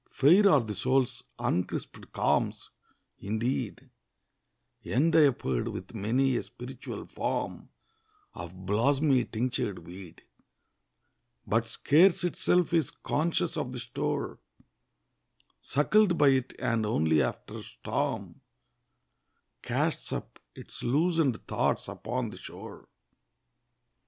Fair are the soul's uncrispèd calms, indeed, Endiapered with many a spiritual form Of blosmy tinctured weed; But scarce itself is conscious of the store Suckled by it, and only after storm Casts up its loosened thoughts upon the shore.